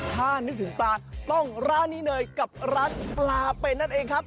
ถ้านึกถึงปลาต้องร้านนี้เลยกับร้านปลาเป็นนั่นเองครับ